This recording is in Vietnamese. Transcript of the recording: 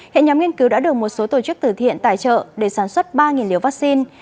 hệ nhóm nghiên cứu đã được một số tổ chức tử thiện tài trợ để sản xuất ba liều vaccine